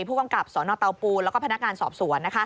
ผู้กำกับสตปูนและพนักงานสอบสวน